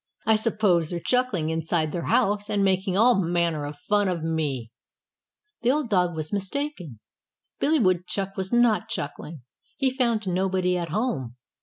I suppose they're chuckling inside their house and making all manner of fun of me." The old dog was mistaken. Billy Woodchuck was not chuckling. He found nobody at home.